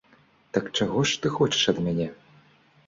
Так чаго ж ты хочаш ад мяне?